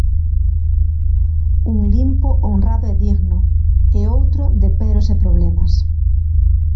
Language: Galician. Un limpo, honrado e digno e outro de peros e problemas.